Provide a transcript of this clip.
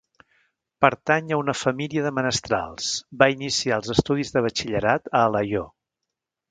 Pertany a una família de menestrals, va iniciar els estudis de batxillerat a Alaior.